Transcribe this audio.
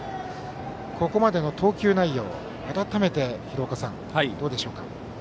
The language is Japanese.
ここまでの投球内容を改めて廣岡さんどうでしょうか？